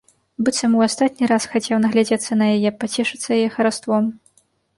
Быццам у астатні раз хацеў наглядзецца на яе, пацешыцца яе хараством.